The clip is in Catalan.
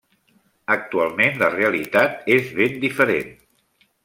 Actualment la realitat és ben diferent.